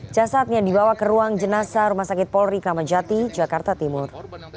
jasadnya dibawa ke ruang jenazah rumah sakit polri kramajati jakarta timur